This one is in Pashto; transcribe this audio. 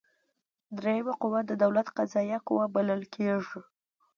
دریمه قوه د دولت قضاییه قوه بلل کیږي.